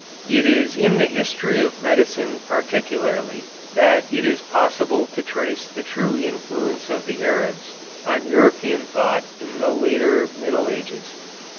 It is in the history of medicine particularly that it is possible to trace the true influence of the Arabs on European thought in the later Middle Ages.